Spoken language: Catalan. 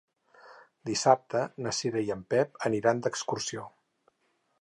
Dissabte na Cira i en Pep aniran d'excursió.